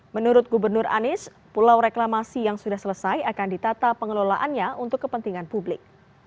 menurut gubernur anies pulau reklamasi yang sudah selesai akan ditata pengelolaannya untuk kepentingan publik